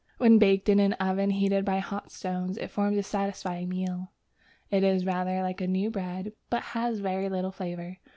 When baked in an oven heated by hot stones, it forms a satisfying meal: it is rather like new bread, but has very little flavour.